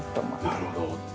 なるほど。